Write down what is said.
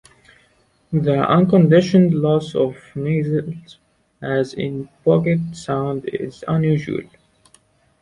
The unconditioned loss of nasals, as in Puget Sound, is unusual.